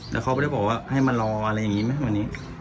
แล้วเขาไม่ได้บอกว่าให้มารออะไรอย่างนี้ไหมวันนี้